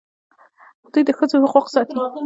دوی د ښځو حقوق ساتي.